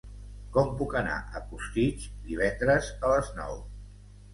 Com puc anar a Costitx divendres a les nou?